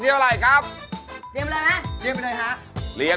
ตำแหน่ง๓